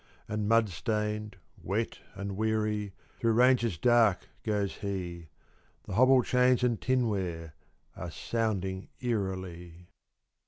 And mud stained, wet, and weary, Through ranges dark goes he; The hobble chains and tinware Are sounding eerily.